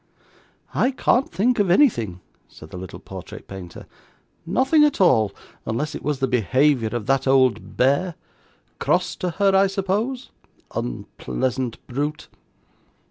'I can't think of anything,' said the little portrait painter. 'Nothing at all, unless it was the behaviour of that old bear. Cross to her, I suppose? Unpleasant brute!